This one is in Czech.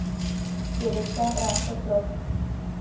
Vědecká práce prof.